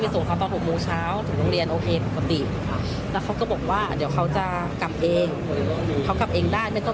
ผู้ชายมองว่าเหลือที่ไม่ก่อน